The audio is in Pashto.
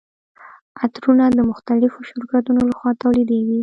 عطرونه د مختلفو شرکتونو لخوا تولیدیږي.